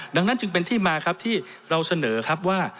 ดังนั้นจึงเป็นที่มาครับที่เราเสนอครับว่า